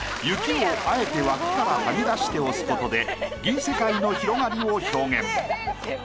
雪をあえて枠からはみ出して押すことで銀世界の広がりを表現。